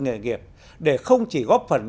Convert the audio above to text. nghề nghiệp để không chỉ góp phần